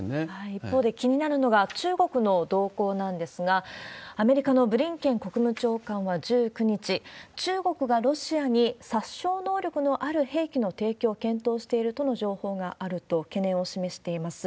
一方で気になるのが、中国の動向なんですが、アメリカのブリンケン国務長官は１９日、中国がロシアに殺傷能力のある兵器の提供を検討しているとの情報があると懸念を示しています。